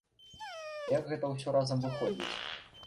А як гэта ўсё разам выходзіць?